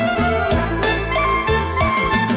ทุกคน